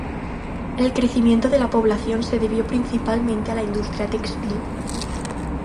El crecimiento de la población se debió principalmente a la industria textil.